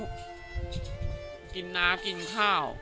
กินน้ากินข้าว